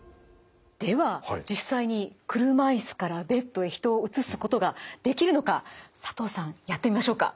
では実際に車いすからベッドへ人を移すことができるのか佐藤さんやってみましょうか。